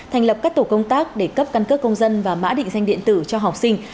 thành lập các tổ công tác để cấp căn cước công dân và mã định danh điện tử cho học sinh